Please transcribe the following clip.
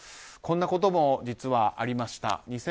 こんなことも実はありました。